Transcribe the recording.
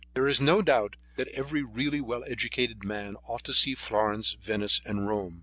There is no doubt that every really well educated man ought to see Florence, Venice and Rome.